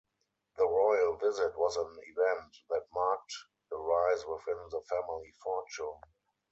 The royal visit was an event that marked a rise within the family fortune.